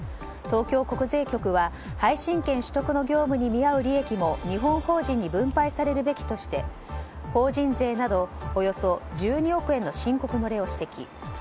東京国税局は配信権取得の業務に見合う利益も日本法人に分配されるべきとして法人税などおよそ１２億円の申告漏れを指摘。